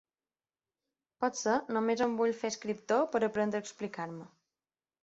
Potser només em vull fer escriptor per aprendre a explicar-me.